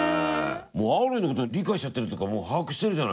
アーロイのこと理解しちゃってるっていうかもう把握してるじゃない？